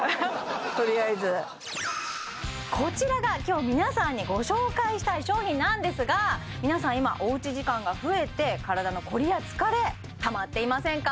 とりあえずこちらが今日皆さんにご紹介したい商品なんですが皆さん今おうち時間が増えて体の凝りや疲れたまっていませんか？